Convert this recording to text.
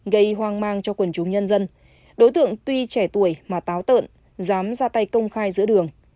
gây hoang mang cho quần chúng nhân dân đối tượng tuy trẻ tuổi mà táo tợn dám ra tay công khai giữa đường